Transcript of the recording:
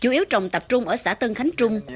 chủ yếu trồng tập trung ở xã tân khánh trung